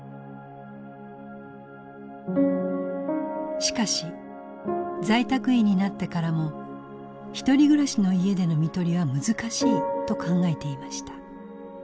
しかし在宅医になってからもひとり暮らしの家での看取りは難しいと考えていました。